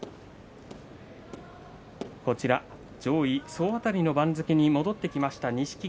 上位総当たりの番付に戻ってきました錦木。